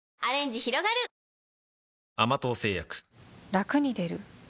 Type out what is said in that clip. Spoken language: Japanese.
ラクに出る？